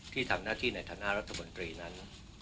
ที่ทำหน้าที่ในฐานะรัฐมนตรีนั้น